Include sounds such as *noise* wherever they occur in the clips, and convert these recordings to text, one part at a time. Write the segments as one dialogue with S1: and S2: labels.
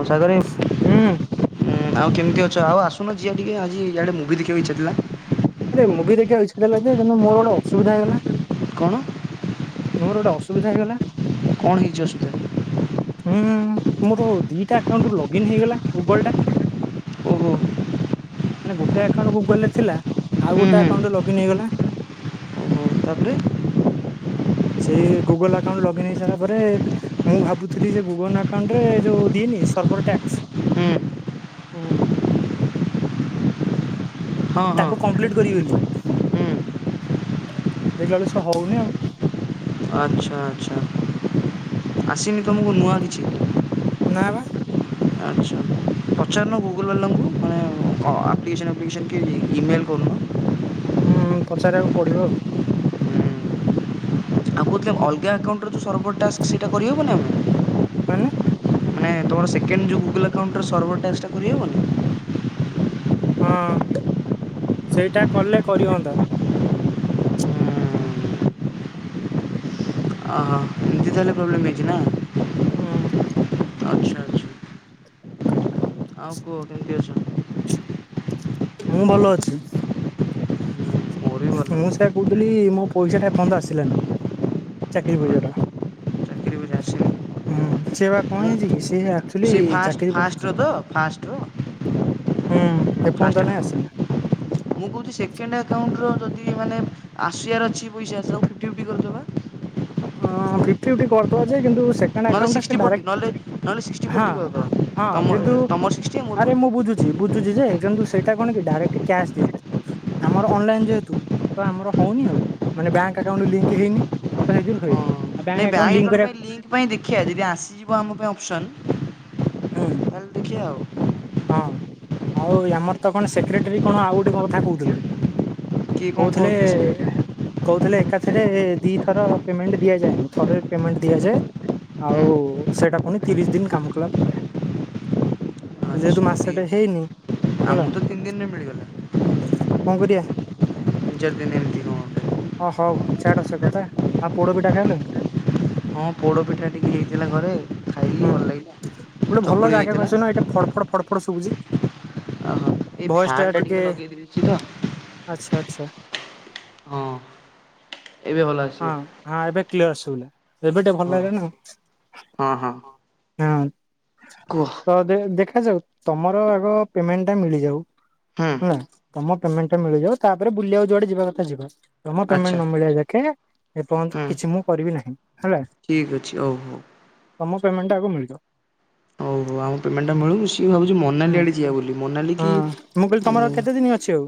S1: ହଁ ସାଗର ଭାଇ ହୁଁ ଆଉ କେମିତି ଅଛ ଆଉ ଆସୁନ ଯିବା ଟିକେ ଆଜି ଇଆଡେ ମୁଭି ଦେଖିବାକୁ ଇଚ୍ଛା ଥିଲା।
S2: ଆରେ ମୁଁ ଦେଖିବା ଇଛା ଥିଲା ଯେ କିନ୍ତୁ ମୋର ଗୋଟେ ଅସୁବିଧା ହେଇଗଲା
S1: କଣ?
S2: ମୋର ଗୋଟେ ଅସୁବିଧା ହେଇଗଲା
S1: କଣ ହେଇଛି ଅସୁବିଧା?
S2: ହୁଁ ମୋର ଦିଟା ଆକାଉଣ୍ଟ ରୁ ଲଗଇନ୍ ହେଇଗଲା ଗୁଗଲ ଟା
S1: ଓହୋ
S2: ମାନେ ଗୋଟେ ଆକାଉଣ୍ଟ ଗୁଗଲ ରେ ଥିଲା ଆଉ
S1: ହୁଁ
S2: ଗୋଟେ ଆକାଉଣ୍ଟରେ ଲଗଇନ ହେଇଗଲା।
S1: ତା ପରେ
S2: ସେ ଗୁଗଲ ଆକାଉଣ୍ଟ ଲଗଇନ ହେଇସାରିଲା ପରେ ମୁଁ ଭାବୁଥିଲି ଯେ ଗୁଗନ ଆକାଉଣ୍ଟରେ ଯୋଉ ଦିଏନି ସର୍ଭର୍ ଟାକ୍ସ
S1: ହୁଁ
S2: ହୁଁ।
S1: ହଁ ହଁ
S2: ତାକୁ କମ୍ପ୍ଲିଟ୍ କରିବି ବୋଲି
S1: ହୁଁ
S2: ଦେଖିଲା ବେଳକୁ ସେ ହଉନି ଆଉ
S1: ଆଚ୍ଛା ଆଚ୍ଛା ଆସିମି ତମକୁ ନୂଆ କିଛି?
S2: ନା ବା
S1: ଆଚ୍ଛା ପଚାରୁନ ଗୁଗୁଲ୍ ବାଲାଙ୍କୁ ମାନେ ଆପ୍ଲିକେସନ୍ ଆପ୍ଲିକେସନ୍ କି ଇମେଲ୍ କରୁନ?
S2: ହୁଁ ହୁଁ ପଚାରିବାକୁ ପଡିବ ଆଉ?
S1: ଆଉ କହୁଥିଲେ ଅଲଗା ଆକାଉଣ୍ଟରେ ଯଉ ସର୍ଭର ଟାସ୍କ୍ ସେଇଟା କରିହେବନା ଆଉ?
S2: ମାନେ
S1: ମାନେ ତୁମର ସେକେଣ୍ଡ ଯେଉଁ ଗୁଗଲ୍ ଆକାଉଣ୍ଟର ସର୍ଭର ଟାକ୍ସଟା କରିହେବନି?
S2: ହଁ ସେଇଟା କଲେ କରିହଅନ୍ତା।
S1: ଓହୋ ଏମିତି ତାହେଲେ ପ୍ରୋବ୍ଲେମ୍ ହେଇଚି ନା।
S2: ହୁଁ।
S1: ଆଚ୍ଛା ଆଚ୍ଛା। ଆଉ କୁହ କେମିତି ଅଛ?
S2: ମୁଁ ଭଲ ଅଛି।
S1: ମୋର ବି
S2: ମୁଁ
S1: ଭଲ।
S2: ସେୟା କହୁଥିଲି ମୋ ପଇସାଟା ଏପର୍ଯ୍ୟନ୍ତ ଆସିଲାନି। ଚାକିରୀ
S1: ଆଉ
S2: ପଇସାଟା
S1: ଚାକିରି ବି ଆସିନି।
S2: ହୁଁ ସେବା କଣ
S1: ମୁଁ
S2: ହେଇଚିକି ସେ ଆ
S1: ସେଇ ଫାଷ୍ଟ୍ ଫାଷ୍ଟ୍ରତ ଫାଷ୍ଟ୍ ର?
S2: ହୁଁ।
S1: ଫାଷ୍ଟ୍ ଟା *unintelligible*
S2: *inaudible*
S1: ମୁଁ କହୁଚି ସେକେଣ୍ଡ ଆକାଉଣ୍ଟର ଯଦି ମାନେ ଆସିବାର ଅଛି ପଇସା ସବୁ ଫିପ୍ଟି ଫିପ୍ଟି କରିଦବା।
S2: ହଁ ଫିପ୍ଟି ଫିପ୍ଟି କରିଦବାଯେ କିନ୍ତୁ ସେ ପୁରୁଣା
S1: ନହେଲେ
S2: ଆକାଉଣ୍ଟ୍ ଟା
S1: ସିକ୍ସଟି
S2: ସେ
S1: ଫୋର୍ଟି ନହେଲେ
S2: ଡାରେକ୍ଟ୍
S1: ନହେଲେ ସିକ୍ସଟି
S2: ହଁ
S1: ଫୋର୍ଟି କରିଦେବା।
S2: ହଁ
S1: ତମ
S2: କିନ୍ତୁ
S1: ତମର ସିକ୍ସଟି ଆଉ ମୋର
S2: ଆରେ
S1: ଫୋର୍ଟି।
S2: ମୁଁ ବୁଝୁଚି ବୁଝୁଛିଯେ କିନ୍ତୁ ସେଇଟା କଣକି ଡାଇରେକ୍ଟ କ୍ୟାସ୍ ଦିଅନ୍ତି। ଆମର ଅନଲାଇନ୍ ଯେହେତୁ ତଆମର ହଉନି ଆଉ କଣ ମାନେ ବ୍ୟାଙ୍କ୍ ଆକାଉଣ୍ଟ୍ ଲିଙ୍କ୍ ହେଇନି। ତ ହେଇଥିରୁ ହେଇନି ଆଉ ବ୍ୟାଙ୍କ୍ ଆକାଉଣ୍ଟ ଲିଙ୍କ୍ କରିବା
S1: ସେଥିପାଇଁ ଦେଖିଆ ଯେଦି ଆସିଯିବ ଆମ ପାଇଁ ଅପସନ୍
S2: ହୁଁ।
S1: ତାହେଲେ ଦେଖିବା ଆଉ।
S2: ହଁ ଆଉ ଆମରତ କଣ ସେକ୍ରେଟେରୀ କଣ ଆଉ ଗୋଟେ କଣ କଥା କହୁଥିଲେ।
S1: କିଏ କଣ କହୁଥିଲେ ସେ ଆଚ୍ଛା।
S2: କଉଥିଲେଏ କୋଉଥିଲେ ଏକାଥେରେ ଦିଥର ପେମେଣ୍ଟ ଦିଆଯାଏନି ଥରେ ପେମେଣ୍ଟ ଦିଆଯାଏ। ଆଉ ସେଇଟା ପୁଣି ତିରିଶି ଦିନି କାମ କଲା ପରେ ଯେହେତୁ ମାସଟେ ହେଇନି ହେଲା।
S1: ଆମକୁ ତ ତିନି ଦିନିରେ ମିଳିଗଲା।
S2: କଣ କରିବା?
S1: ଦିଚାରି ଦିନି ଏମିତି କଣ
S2: ଆଁ ହଉ ଛାଡ଼ ସେକଥା ଆଉ ପୋଡ଼ ପିଠା ଖାଇଁଲକି?
S1: ଗୋଟେ। ହଁ ପୋଡ଼ ପିଠା ଟିକେ ହେଇଥିଲା ଘରେ
S2: ହୁଁ
S1: ଖାଇଲି ଭଲ ଲାଗିଲା।
S2: ଗୋଟେ ଭଲ
S1: ଚକୁଳି
S2: ଯାଗାକୁ
S1: ହେଇଥିଲା
S2: ଆସୁନ ଏଇଟା ଫଡ୍ ଫଡ୍ ଫଡ୍ ଫଡ୍ ସୁବୁଚି।
S1: ଓହୋ ଏଇ
S2: ଭଏସ୍ ଟା
S1: ଫ୍ୟାନ୍ଟା
S2: ଟିକେ
S1: ଲଗେଇ ଦେଇଛି ତ
S2: ଆଚ୍ଛା ଆଚ୍ଛା।
S1: ହଁ ଏବେ ଭଲ ଆସିବ।
S2: ହଁ ହଁ ଏବେ କ୍ଲିୟର୍ସେ ସୁବିଲା ‌ଏବେ ଟିକେ ଭଲ ଲାଗିଲାନା। ହଁ
S1: ହଁ ହଁ
S2: ହଁ।
S1: କୁହ
S2: ତ ଦେ ଦେଖାଯାଉ ତମର ଆଗ ପେମେଣ୍ଟ୍ ଟା ମିଳିଯାଉ
S1: ହୁଁ
S2: ହେଲା ତମ ପେମେଣ୍ଟ୍ ଟା ମିଳିଯାଉ ତାପରେ ବୁଲିବାକୁ ଯୁଆଡ଼େ ଯିବା କଥା ଯିବା। ତମ
S1: ଆଚ୍ଛା
S2: ପେମେଣ୍ଟ ନମିଳିବା ଯାକେ ଏପର୍ଯ୍ୟନ୍ତ
S1: ହୁଁ
S2: କିଛି ମୁଁ କରିବି ନାହିଁ ହେଲା।
S1: ଠିକ୍ ଅଛି ହଉ ହଉ
S2: ତମ ପେମଣ୍ଟ୍ ଟା ଆଗ ମିଳିଯାଉ।
S1: ହଉ ହଉ ଆମ ପେମେଣ୍ଟଟା ମିଳୁ ମିଶିକି ଭାବୁଚି
S2: ହୁଁ
S1: ମନାଲି ଆଡ଼େ ଯିବା ବୋଲି ମନାଲିକି
S2: ହଁ ମୁଁ କହିଲି ତମର
S1: ଇଁ
S2: କେତେ ଦିନ ଅଛି ଆଉ।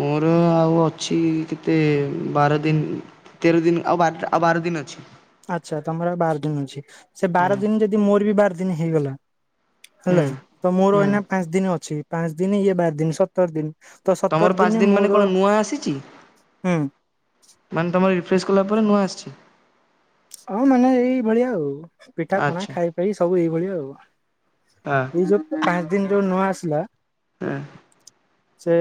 S1: ମୋର ଆଉ ଅଛି କେତେ ବାର ଦିନ୍ ତେର ଦିନି ଆଉ ବାରଟା ବାର ଦିନି ଅଛି।
S2: ଆଚ୍ଛା। ତମର ଆଉ ବାର ଦିନ ଅଛି। ସେ
S1: ହୁଁ
S2: ବାର ଦିନ ଯଦି ମୋର ବି ବାର ଦିନ ହେଇଗଲା।
S1: ହୁଁ
S2: ହେଲା। ତ ମୋର
S1: ହୁଁ
S2: ଏଇନା ପାଞ୍ଚ ଦିନ ଅଛି। ପାଞ୍ଚ ଦିନ ଇଏ ବାର ଦିନ ସତ ସତର ଦିନ୍ ତ
S1: ତମର
S2: ସତର
S1: ପାଞ୍ଚ
S2: ଦିନ୍ ରେ
S1: ଦିନ ମାନେ କଣ
S2: ମୋର
S1: ନୂଆ ଆସିଛି
S2: ହୁଁ।
S1: ମାନେ ତମର ରିଫ୍ରେସ୍ କଲା ପରେ ନୂଆ ଆସିଚି?
S2: ହଁ ମାନେ ଏଇଭଳିଆ ଆଉ। ପିଠା ପଣା ଖାଇପାଇ ସବୁ ଏଇଭଳିଆ ଆଉ।
S1: *unintelligible*
S2: ଏଇ ଯୋଉ ପାଞ୍ଚ ଦିନ ଯୋଉ ନୂଆ ଆସିଲା
S1: ହଁ
S2: ସେ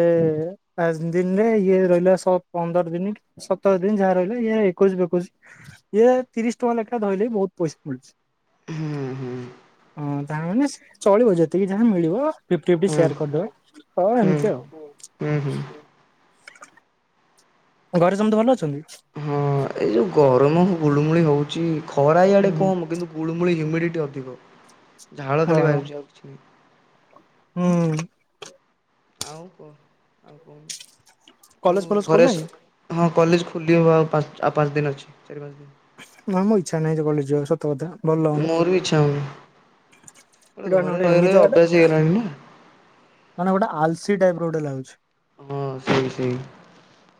S2: ପାଞ୍ଚ ଦିନ୍ ରେ ଇଏ ରହିଲା ଶ ପନ୍ଦର ଦିନି। ସତର ଦିନି ଯାହା ରହିଲା ଇଏ ଏକୋଇଶି ଫେକୋଇଶି ଇଏ ତିରିଶ ଟଙ୍କା ଲେଖାଏ ଧଇଲେ ବି ବହୁତ ପଇସା ମିଳୁଚି।
S1: ହୁଁ ହୁଁ
S2: ତା ମାନେ ଚଳିବ। ଯେତିକି ଯାହା ମିଳିବ ଫିପ୍ଟି ଫିପ୍ଟି
S1: ହୁଁ
S2: ସେୟାର କରିଦବା ହଁ
S1: ହୁଁ
S2: ଏମିତି
S1: ହୁଁ ହୁଁ।
S2: ଆଉ। ଘରେ ସମସ୍ତେ ଭଲ ଅଛନ୍ତି?
S1: ହଁ ଏଇ ଯୋଉ ଗରମ ଗୁଳୁଗୁଳି ହଉଚି, ଖରା
S2: ହୁଁ
S1: ଇଆଡେ
S2: ହୁଁ
S1: କମ କିନ୍ତୁ ଗୁଳୁମୁଳି ହ୍ୟୁମିଡ଼ିଟି ଅଧିକ। ଝାଳ ଖାଲି
S2: ଓହୋ
S1: ବାହାରୁଚି ଆଉ କିଛି ନାହିଁ।
S2: ହୁଁ।
S1: ଆଉ କହ ଆଉ କହୁନୁ ଆଉ
S2: କଲେଜ ଫଲେଜ
S1: ଘରେ
S2: ଖୋଲିଲାଣି?
S1: ସ ହଁ କଲେଜ୍ ଖୋଲି ହବ ଆଉ ପାଞ୍ଚ ଦିନ୍ ଅଛି ଚାରି ପାଞ୍ଚ ଦିନ୍।
S2: ନା ମୋ ଇଚ୍ଛା ନାହିଁ ଆଜି କଲେଜ୍ ଯିବାକୁ ସତ କଥା ଭଲ ଲାଗୁନି।
S1: ମୋର ବି ଇଚ୍ଛା ହଉନି। ଗୋଟେ
S2: ଏଇଟା ମାନେ
S1: ଘରେ ରହି
S2: ଏମିତି
S1: ରହି
S2: ଜାଗାଟା
S1: ଅଭ୍ୟାସ ହେଇଗଲାଣି ନା।
S2: ମାନେ ଗୋଟେ ଆଲସି ଟାଇପ୍ ର ଗୋଟେ ଲାଗୁଚି।
S1: ହଁ ସେଇ ସେଇ।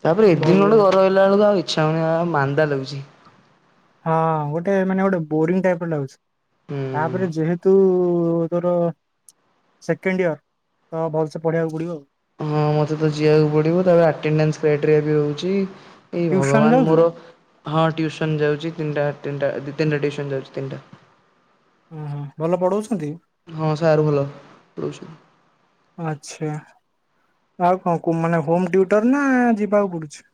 S1: ତାପରେ ଏଦିନ
S2: ଭଲ
S1: ଠୁ ଘରେ ରହି ଗଲା ବେଳକୁ ଆଉ ଇଚ୍ଛା ହଉନି ଆଉ ମାନ୍ଦା ଲାଗୁଚି।
S2: ହଁ ଗୋଟେ ମାନେ ଗୋଟେ ବୋରିଂ ଟାଇପ୍ ର ଲାଗୁଚି।
S1: ହୁଁ।
S2: ତାପରେ ଯେହେତୁ ତୋର ସେକେଣ୍ଡ ଇୟର ତ ଭଲସେ ପଢିବାକୁ ପଡିବ ଆଉ।
S1: ହଁ ମତେ ତ ଯିବାକୁ ପଡିବ, ତାପରେ ଆଟେଣ୍ଡନ୍ସ କ୍ରାଇଟେରିଆ ବି ହଉଚି। ହେ
S2: ଟ୍ୟୁସନ
S1: ଭଗବାନ
S2: ଯାଉଛୁ?
S1: ମୋର ହଁ ଟିଉସନ ଯାଉଚି ତିନିଟା ତିନିଟା ଦି ତିନିଟା ଟିଉସନ ଯାଉଚି ତିନିଟା।
S2: ଓହୋ ଭଲ ପଢଉଛନ୍ତି?
S1: ହଁ ସାର୍ ଭଲ ପଢ଼ଉଛନ୍ତି।
S2: ଆଚ୍ଛା। ଆଉ କଣ କୁ ମାନେ ହୋମ ଟିଉଟର ନା ଯିବାକୁ ପଡୁଚି?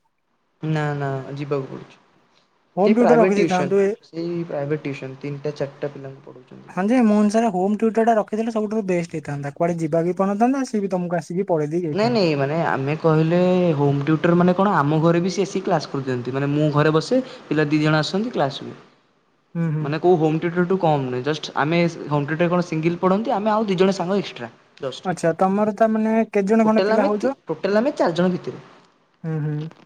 S1: ନା ନା ଯିବାକୁ ପଡୁଚି।
S2: ହୋମ
S1: ସେଇ
S2: ଟିଉଟର
S1: ପ୍ରାଇଭେଟ୍
S2: ରଖିଦେଇଥାନ୍ତୁ
S1: ଟିଉସନ୍।
S2: ଏ
S1: ଏଇ ପ୍ରାଇଭେଟ୍ ଟିଉସନ୍। ତିନିଟା ଚାରିଟା ପିଲାଙ୍କୁ ପଢ଼ଉଛନ୍ତି।
S2: ହଁ ଯେ ମୋ ଅନୁସାରେ ହୋମ ଟ୍ୟୁଟର୍ ଟା ରଖିଥିଲେ ସବୁଠୁ ବେଷ୍ଟ ହେଇଥାନ୍ତା। କୁଆଡେ ଯିବାକୁ ବି ପଡିନଥାନ୍ତା ସିଏ ବି ତମକୁ ଆସିକି ପଢେଇ ଦେଇ
S1: ନାଇଁ
S2: ଯାଇଥାନ୍ତା।
S1: ନାଇଁ ମାନେ ଆମେ କହିଲେ ହୋମ୍ ଟ୍ୟୁଟର୍ ମାନେ କଣ ଆମ ଘରେ ବି ସିଏ ଆସିକି କ୍ଲାସ୍ କରୁଚନ୍ତି। ମାନେ ମୁଁ ଘରେ ବସେ ପିଲା ଦି ଜଣ ଆସନ୍ତି କ୍ଲାସ ହୁଏ।
S2: ହୁଁ ହୁଁ
S1: ମାନେ କୋଉ ହୋ ମ ଟିଉଟର ଠୁ କମ୍ ନୁହେଁ। ଜଷ୍ଟ୍ ଆମେ ହୋମ୍ ଟିଉଟର୍ କଣ ସିଙ୍ଗଲ ପଢନ୍ତି, ଆମେ ଆଉ ଦିଇ ଜଣେ ସାଙ୍ଗ ଏକ୍ସଟ୍ରା।
S2: ଆଚ୍ଛା, ତମର ତା ମାନେ କେତେ ଜଣ ଖଣ୍ଡେ
S1: ଟୋଟାଲ
S2: ପିଲା
S1: ଆମେ
S2: ହଉଛ?
S1: ତି ଟୋଟାଲ ଆମେ ଚାରି ଜଣ
S2: ହୁଁ ହୁଁ
S1: ଭିତରୁ।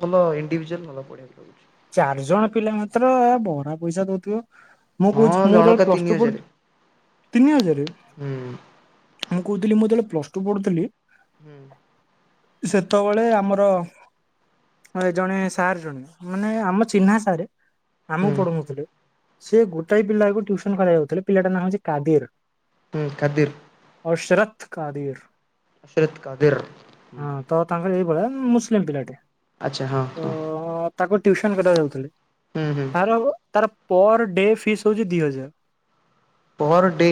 S1: ତ ଭଲ ଇଣ୍ଡିଭିଜୁଆଲ୍ ଭଲ ପଢ଼ିବାକୁ ଲାଗୁଚି।
S2: ଚାରି ଜଣ ପିଲା ମାତ୍ର ବରା ପଇସା ଦଉଥିବ। ମୁଁ କହୁଚି
S1: ହଁ
S2: ମୁଁ
S1: ଜଣକା
S2: ଯେତେବେଳେ ପ୍ଲସ
S1: ତିନି
S2: ଟୁ
S1: ହଜାର
S2: ପଡୁଥିଲି ତିନି ହଜାରେ।
S1: ହୁଁ
S2: ମୁଁ କହୁଥିଲି ମୁଁ ଯେତେବେଳେ ପ୍ଲସ ଟୁ ପଢ଼ୁଥିଲି
S1: ହୁଁ।
S2: ସେତବେଳେ ଆମର ଏ ଜଣେ ସାର୍ ଜଣେ। ମାନେ ଆମ ଚିହ୍ନା ସାରେ
S1: ହୁଁ
S2: ଆମକୁ ପଢ଼ୋଉନଥିଲେ। ସେ ଗୋଟାଏ ପିଲାକୁ ଟ୍ୟୁସନ କରାଯାଉଥିଲା ପିଲାଟା ନାଁ ହଉଛି କାଦିର।
S1: ହୁଁ କାଦିର୍।
S2: ଅଶରତ କାଦିର୍।
S1: ଅଶରତ କାଦିର୍।
S2: ତ ତାଙ୍କର ଏଇଭଳିଆ ମୁସଲିମ ପିଲାଟେ।
S1: ଆଚ୍ଛା ହଁ
S2: ତ
S1: ହଁ।
S2: ତାକୁ ଟିଉସନ କରିଆକୁ ଯାଉଥିଲେ
S1: ହୁଁ ହୁଁ
S2: ତାର ତାର ପର ଡେ ଫିସ୍ ହଉଛି ଦି ହଜାର।
S1: Per day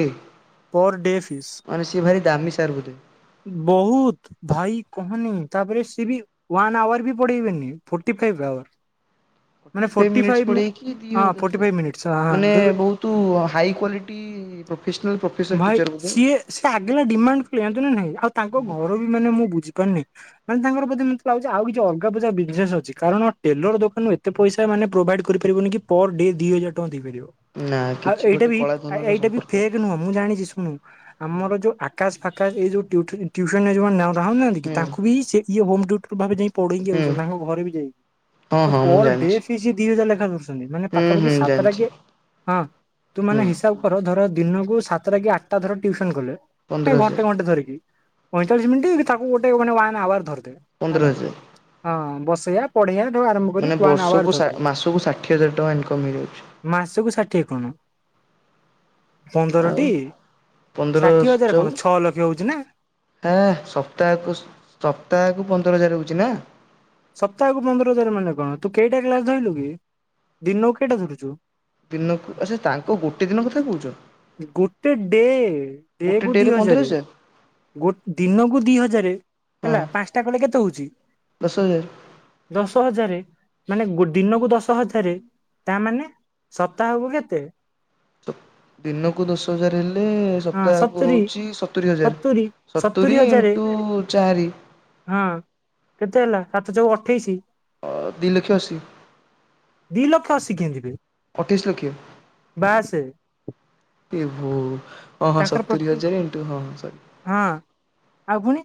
S2: per day fees
S1: ମାନେ ସିଏ ଭାରି ଦାମୀ ସାର ବୋଧେ।
S2: ବହୁତ। ଭାଇ କହନି ତାପରେ ସିଏ ବି ୱାନ ଆୱାର ବି ପଢ଼େଇବେନି ଫଟି ଫାଇପ୍ ଆୱାର। ମାନେ
S1: forty five
S2: forty
S1: minutes
S2: five
S1: ପଢେଇକି ଦି ହ
S2: ହଁ ଫୋର୍ଟି ଫାଇଭ୍ ମିନିଟ୍ସ
S1: ହଜାର
S2: ହଁ
S1: ମାନେ
S2: ଦେବେ
S1: ବହୁତ ହାଇ କ୍ୟାଲିଟି ପ୍ରଫିସନଲ ପ୍ରଫ
S2: ଭାଇ ସିଏ ସିଏ ଆଗେଲା ଡିମାଣ୍ଡ କଲେ ଯାଣଚୁ ନା ନାଇଁ ଆଉ ତାଙ୍କ ଘ ର ବି ମାନେ ମୁଁ ବୁଝି ପାରୁନି। ମାନେ ତାଙ୍କର ବୋଧେ ମତେ ଲାଗୁଛି ଆଉ କିଛି ଅଲଗା ପଜା ବିଜନେସ ଅଛି, କାରଣ ଟେଲର ଦୋକାନରୁ ଏ ଏତେ ପଇସା ମାନେ ପ୍ରୋଭାଇଡ କରିପାରିବନି କି ପର ଡେ ଦି ହଜାର ଟଙ୍କା ଦେଇପାରିବ।
S1: ନା
S2: ଆଉ
S1: କିଛି
S2: ଏଇଟା
S1: ଗୋଟେ
S2: ବି
S1: କଳାଧନର
S2: ଏଇଟା ବି
S1: ସମ୍ପର୍କ
S2: ଫେକ୍
S1: ଅଛି।
S2: ନୁହଁ, ମୁଁ ଜାଣିଛି ଶୁଣୁ
S1: ହୁଁ
S2: ଆମର ଯୋଉ ଆ ଆକାଶ ଫାକାଶ ଏଇ ଯୋଉ ଟ୍ୟୁ ଟ୍ୟୁସନରେ ଯୋଉ ମାନେ ରହୁନାହାନ୍ତି କି
S1: ହୁଁ
S2: ତାଙ୍କୁ ବି ସେ ଇଏ ହୋମ୍ ଡ୍ୟୁଟର ଭାବେ ଯାଇ ପଢେଇକି
S1: ହୁଁ
S2: ଆଉଛନ୍ତି ତାଙ୍କ ଘରେ ବି ଯାଇକି
S1: ହଁ ହଁ ମୁଁ
S2: ପର୍ ଡେ
S1: ଜାଣିଛି
S2: ଫିସ୍ ଦି ହଜାର ଲେଖା ଦ ଚନ୍ତି, ମାନେ
S1: ହୁଁ
S2: ପାଖାପାଖି
S1: ହୁଁ
S2: ସାତଟା
S1: ଜାଣିଛି
S2: କି ହଁ ତୁ ମାନେ
S1: ହୁଁ।
S2: ହିସାବ ଧର ଦିନକୁ ସାତଟା କି ଆଟଟା ଧର ଟଟିୁସନ କଲେ
S1: ପନ୍ଦର ହଜାର
S2: ଘଣ୍ଟେ ଘଣ୍ଟେ ଧରିକି। ପଇଁଚାଳିଶ ମିନିଟ୍ ତାକୁ ଗୋଟେ ମାନେ ୱାନ୍ ଆୱାର ଧରିଦେ
S1: ପନ୍ଦର
S2: ହେଲା
S1: ହଜାର
S2: ହଁ ବସେଇଆ ପଢେଇଆ ଠାରୁ ଆରମ୍ଭ କରି
S1: ମାନେ
S2: ୱାନ୍ ଆୱାର
S1: ବର୍ଷକୁ
S2: ଧରିଦେ
S1: ମାସକୁ ଷାଠିଏ ହଜାର ଟଙ୍କା ଇନକମ୍ ହେଇଯାଉଛି।
S2: ମାସକୁ ଷାଠିଏ କଣ।
S1: ଆଉ
S2: ପନ୍ଦରଟି
S1: ପନ୍ଦର
S2: ଷାଠିଏ ହଜାର କଣ ଛଅ ଲକ୍ଷ ହଉଛି ନା।
S1: ଏ ସପ୍ତାହକୁ ସପ୍ତାହକୁ ପନ୍ଦର ହଜାର ହୋଉଚି ନା।
S2: ସପ୍ତାହକୁ ପନ୍ଦର ହଜାର ମାନେ କଣ ତୁ କେଇଟା କ୍ଲାସ ଧଇଲୁ କି ଦିନକୁ କେଇଟା ଧରୁଛୁ?
S1: ଦିନକୁ ଆଚ୍ଛା ତାଙ୍କ ଗୋଟେ ଦିନ କଥା କହୁଛ।
S2: ଗୋଟେ ଡେ ଡେ
S1: ଗୋଟେ
S2: କୁ
S1: ଡେରେ
S2: ଦି
S1: ପନ୍ଦର
S2: ହଜାର। ଗୋ ଦିନକୁ ଦି ହଜାର
S1: ହଁ
S2: ହେଲା ପାଞ୍ଚଟା କଲେ କେତେ ହଉଛି।
S1: ଦଶ ହଜାର।
S2: ଦଶ ହଜାର, ମାନେ ଦିନକୁ ଦଶ ହଜାର ତା ମାନେ ସପ୍ତାହକୁ କେତେ?
S1: ସ ଦିନକୁ ଦଶ ହଜାର ହେଲେ
S2: ହଁ
S1: ସ ହକୁ
S2: ସତୁରି
S1: ହଉଛି ସତୁରି ହଜାର, ସତୁରି ଇଣ୍ଟୁ ଚାରି।
S2: ହଁ କେତେ ହେଲା ସାତଚୋକ ଅଠେଇଶି।
S1: ଅ ଦି ଲକ୍ଷ ଅଶୀ।
S2: ଦି ଲକ୍ଷ ଅସି କେଏଁତି ବେ?
S1: ଅଠେଇଶ ଲକ୍ଷ,
S2: ବାସେ
S1: ଏଭୋ। ହଁ ହଁ
S2: ତାଙ୍କର
S1: ସତୁରି
S2: ପ୍ରତି
S1: ହଜାର ଇଣ୍ଟୁ ହଁ ହଁ ସରି।
S2: ହଁ ଆଉ ପୁଣି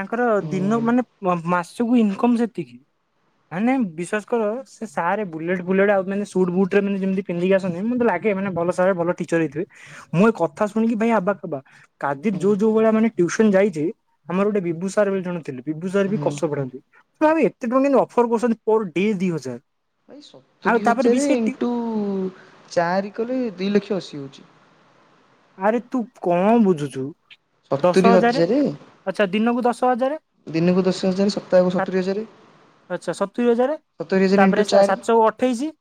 S2: ତାଙ୍କର
S1: ହୁଁ
S2: ଦିନ ମାନେ ମାସ ସବୁ ଇନକମ୍ ସେତିକି। ମାନେ ବିଶ୍ଵାସ କର ସେ ସାର୍ ବୁଲେଟ ଫୁଲେଟ ଆଉ ମାନେ ସୁଟ ବୁଟରେ ମାନେ ଯେମିତି ପିନ୍ଧିକି ଆସନ୍ତି ମତେ ଲାଗେ ମାନେ ଭଲ ସାରେ ଭଲ ଟିଚର ହେଇଥିବ ମୁଁ ଏ କଥା ଶୁଣିକି ଭାଇ ଆବା କାବା। କାଦିକ୍
S1: ହୁଁ
S2: ଯୋଉ ଯୋଉ ଭଳି ମାନେ ତୁଉସନ ଯାଇଚି ଆମର ଗୋଟେ ବିବୁସାର ବୋଲି ଜଣେ ଥିଲେ ବିବୁସର ବି
S1: ହୁଁ
S2: କସ ପଢାନ୍ତି। ମୁଁ କହିଲି ଆବେ ଏତେ ଟଙ୍କା କେନ୍ତି ଅଫର କରୁଚନ୍ତି ପର ଡେ ଦି ହଜାର।
S1: ଭାଇ
S2: ଆଉ
S1: ସତୁରି
S2: ତାପରେ ବି
S1: ହଜାର
S2: ସେ ଟି
S1: ଇଣ୍ଟୁ ଚାରି କଲେ ଦିଇ ଲକ୍ଷ ଅଶୀ ହଉଚି।
S2: ଆରେ ତୁ ଙ୍କ ବୁଝୁଛୁ
S1: ସତୁରି
S2: ଦଶ ହଜାର
S1: ହଜାରେ
S2: ଆଛା ଦିନକୁ ଦଶ ହଜାର।
S1: ଦିନକୁ ଦଶ ହଜାର ସପ୍ତାହକୁ ସତୁରି ହଜାର।
S2: ଆଚ୍ଛା ସତୁରି ହଜାର
S1: ସତୁରି ଇଣ୍ଟୁ
S2: ତାପରେ
S1: ଚାରି
S2: ସାତଚୋହ ଅଠେଇଶି।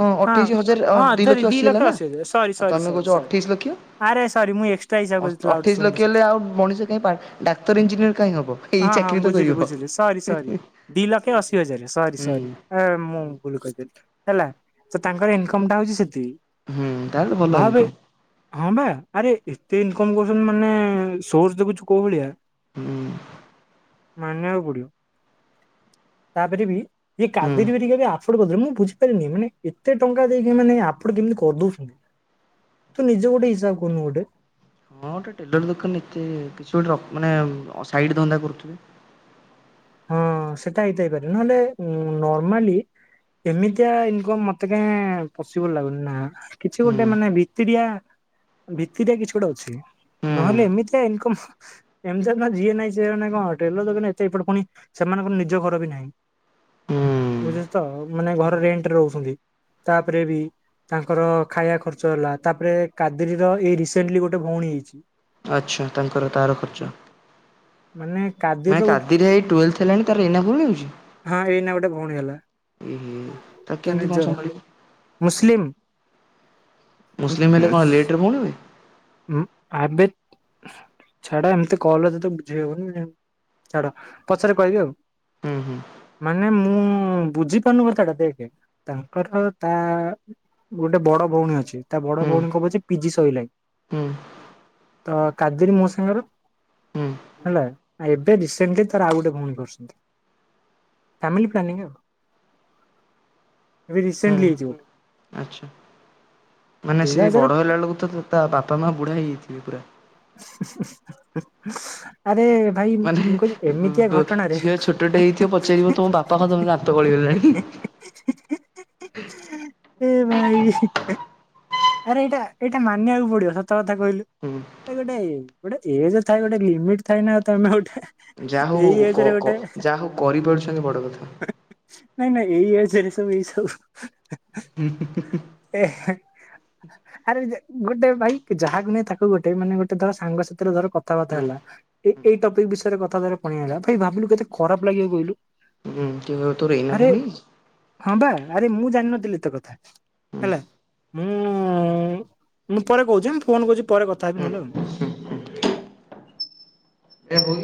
S1: ହଁ ଅଠେଇଶି ହଜାର
S2: ହଁ
S1: ଦିଇ
S2: ଧରି
S1: ଲକ୍ଷ
S2: ଦି
S1: ଅଶୀ ହେଲା ନା
S2: ହଜାର ସରି
S1: ଆଉ
S2: ସରି
S1: ତମେ
S2: ସରି
S1: କହୁଚ
S2: ସରି
S1: ଅଠେଇଶ ଲକ୍ଷ।
S2: ଆରେ ସରିମୁଁ ଏକ୍ସଟ୍ରା ହିସାବ କରିଥିଲି ଆଉ ଗୋଟେ
S1: ଅଠେଇଶ
S2: ଶୂନ
S1: ଲକ୍ଷ ହେଲେ
S2: ବସେଇଥିଲି
S1: ଆଉ ଣିଷ କାହିଁ ପା ଡାକ୍ତର ଇଞ୍ଜିନିୟର କାହିଁ ହବ। ଏଇ
S2: ହଁ ହଁ
S1: ଚାକିରି ତ
S2: ବୁଝିଲି
S1: କରିବ।
S2: ବୁଝିଲି ସରି ସରି ଦିଇ ଲକ୍ଷ
S1: ସେଇଟା
S2: ଅଶି ହଜାର ସରି
S1: ହୁଁ
S2: ସରି। ମୁଁ ଭୁଲ କରିଦେଲି ହେଲା ତ ତାଙ୍କର ଇନକମ ଟା ହେଉଛି ସେତିକି।
S1: ହୁଁ ତାହେଲେ ଭଲ
S2: ଭାବେ
S1: ଇନକମ୍।
S2: ହଁ ବା ଆରେ ଏତେ ଇନକମ୍ କରୁଚନ୍ତି ମାନେ ସୋର୍ସ ଦେଖୁଚୁ କୋଉ ଭଳିଆ।
S1: ହୁଁ।
S2: ମାନିଆକୁ ପଡିବ ତାପରେ ବି ଏଇ
S1: ହୁଁ।
S2: କାବେରୀ ଭେରିକା ବି ଆ ପୁଡୁ ବୁଦ୍ଧିରେ ମୁଁ ବୁଝିପାରିନି ମାନେ ଏତେ ଟଙ୍କା ଦେଇକି ମାନେ ଆପଣ କେମତି କରଦଉଛନ୍ତି? ତୁ ନିଜ ଗୋଟେ ହିସାବ କରୁନୁ ଗୋଟେ
S1: ହଁ ଗୋଟେ ଟେଲର ଦୋକାନ ଏତେ କିଛି ଗୋଟେ ମାନେ ଅ ସାଇଟ୍ ଧନ୍ଦା କରୁଥିବ।
S2: ହଁ ସେଟା ହେଇଥାଇପାରେ ନହେଲେ ଉ ନର୍ମାଲି ଏମିତିଆ ଇନକମ ମତେ କାଁ ପସିବଲ ଲାଗୁନି ନା। କିଛି
S1: ହୁଁ
S2: ଗୋଟେ ମାନେ ଭିତିରିଆ ଭିତିରିଆ କିଛି ଗୋଟେ ଅଛି
S1: ହୁଁ
S2: ନହେଲେ ଏମିତିଆ ଇନକମ୍ ଏମତି ହେଲ ନ ଯିଏ ନାଇଁ ସିଏ ଜଣେ ଙ୍କ ଟେଲର
S1: ହୁଁ
S2: ଦୋକାନ ଏତେ ଏପଟ ପୁଣି ସେମାନଙ୍କର ନିଜ ଘର ବି ନାହିଁ
S1: ହୁଁ
S2: ବୁଝିହଉଚି ତ ମାନେ ଘର
S1: ହୁଁ।
S2: ରେଣ୍ଟରେ ରହୁଛନ୍ତି। ତାପ୍ ରେ ବି ତାଙ୍କର ଖାୟା ଖର୍ଚ୍ଚ ହେଲା ତାପରେ କାଦିରୀ ର ଏଇ ରିସେଣ୍ଟଲି ଗୋଟେ ଭଉଣୀ ହେଇଚି।
S1: ଆଛା ତାଙ୍କର ତାର ଖର୍ଚ୍ଚ
S2: ମାନେ କାବ
S1: ମାନେ କାଦିରେ ଏଇ ଟୁଏଲ୍ଥ ହେଲାଣି ତାର ଏଇନା ଭଉଣୀ ହଉଚି
S2: ହଁ ଏଇନା ଗୋଟେ ଭଉଣୀ ହେଲା
S1: ତାକୁ
S2: ତା
S1: କେମିତି କଣ
S2: ନିଜର
S1: ସମ୍ଭାଳିବ
S2: ମୁସଲିମ୍
S1: ମୁସଲିମ୍ ହେଲେ କଣ ଲେଟର୍ ଭଉଣୀ ହୁଏ?
S2: ଉଁ ଆବେ ଛାଡ ଏମତି କଲ୍ ରେ ତତେ ବୁଝେଇ ହବନି ଛାଡ ପଛରେ କହିବି ଆଉ।
S1: ଉଁ ହୁଁ।
S2: ମାନେ ମୁଁ ବୁଝିପାରୁନୁ କଥାଟା ଦେଖେ ତାଙ୍କର ତା ଗୋଟେ ବଡ ଭଉଣୀ ଅଛି ତା ବଡ
S1: ହୁଁ
S2: ଭଉଣୀ କବଚି ପିଜି ସଇଲାଣି।
S1: ହୁଁ
S2: ତ କାଦେରୀ ମୋ ସାଙ୍ଗର
S1: ହୁଁ
S2: ହେଲା ଆ ଏବେ ରିସେଣ୍ଟଲି ତାର ଆଉ ଗୋଟେ ଭଉଣୀ କରୁଛନ୍ତି। ଫାମିଲ ପ୍ଲାନିଂ ଆଉ ଏବେ ରିସେଣ୍ଟଲି ହେଇଚି ଗୋଟେ।
S1: ଆଛା ମାନେ
S2: ଦୁଇ
S1: ସିଏ
S2: ହଜାର
S1: ବଡ଼ ହେଲା ବେଳକୁ ତ ତା ବାପା ମା ବୁଢ଼ା ହେଇଯାଇଥିବେ ପୁରା।
S2: ଆରେ ଭାଇ
S1: ମାନେ
S2: ମୁଁ କହିଲି ଏମିତିଆ ଘଟଣାରେ
S1: ଝିଅ ଛୋଟଟେ ହେଇଥିବ ପଚାରିବ ତମ ବାପା କଣ ତମ ଦାନ୍ତ ଗଳିଗଲାଣି
S2: ଏ ଭାଇ। ଆରେ ଏଇଟା ଏଇଟା ମାନିବାକୁ ପଡିବ ସତ କଥା କହିଲୁ?
S1: ହୁଁ।
S2: ଏ ଗୋଟେ ଗୋଟେ ଏଜ ଥାଏ ଗୋଟେ ଲିମିଟ ଥାଏ ନା ତମେ ଗୋଟେ
S1: ଯାହା
S2: ଏଇ
S1: ହଉ
S2: ଏଜ
S1: କ
S2: ରେ
S1: କ
S2: ଗୋଟେ
S1: ଯାହା ହଉ କରିପାରୁଚନ୍ତି ବଡ କଥା।
S2: ନାଇଁ ନାଇଁ ଏଇ ଏଜରେ ସବୁ ଏଇ ସବୁ
S1: ହୁଁ।
S2: ଏ ହେ ଆରେ ଗୋଟେ ଭାଇ ଯାହାକୁ ନାଇ ତାକୁ କୁ ଗୋଟେ ମାନେ ଗୋଟେ ଧର ସାଙ୍ଗ ସାଥିରେ ଧର କଥାବାର୍ତା
S1: ହୁଁ
S2: ହେଲା ଏଇ ଏଇ ଟପିକ୍ ବିଷୟରେ କଥାର କହି ହେଲା ଭାଇ ଭାବିଲୁ କେତେ ଖରାପ ଲାଗିବ କହିଲୁ?
S1: ହୁଁ କିଏ କହିବ ତୋର ଏଇନା
S2: ଆରେ
S1: ବୋହି ଯାଇଚି?
S2: ହଁ ବା ଆରେ ମୁଁ ଜାଣିନଥିଲି ଏ ତ କଥା ହେଲା। ମୁଁ ମୁଁ ପରେ କହୁଛି ହାଁ ମୁଁ ଫୋନ କହୁଚି ପରେ କଥା ହେବି ନ ହଲେ ଆଉ।
S1: ଏ